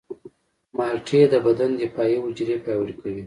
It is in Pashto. مالټې د بدن دفاعي حجرې پیاوړې کوي.